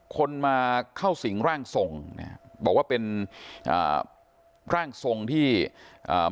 คนมาเข้าสิงร่างทรงเนี้ยบอกว่าเป็นอ่าร่างทรงที่อ่า